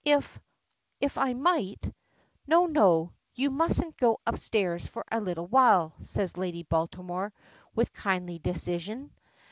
"If if I might " "No, no; you mustn't go upstairs for a little while," says Lady Baltimore, with kindly decision.